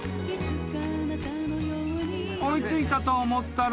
［追い付いたと思ったら］